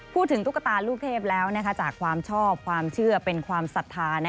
ตุ๊กตาลูกเทพแล้วจากความชอบความเชื่อเป็นความศรัทธา